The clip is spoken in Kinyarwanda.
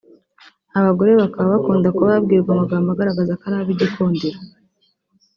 Abagore bakaba bakunda kuba babwirwa amagambo agaragaza ko ari abigikundiro